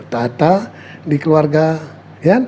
tata di keluarga ya